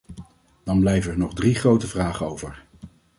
Dan blijven er nog drie grote vragen over.